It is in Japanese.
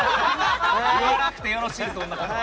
言わなくてよろしいそんなこと。